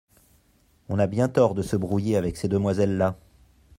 On a bien tort de se brouiller avec ces demoiselles-là…